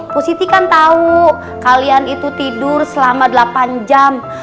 positi kan tau kalian itu tidur selama delapan jam